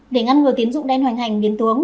để ngăn ngừa tín dụng đen hoành hành biến tướng